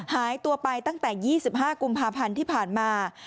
หายตัวไปตั้งแต่๒๕กุมภาพันธ์ที่ผ่านมา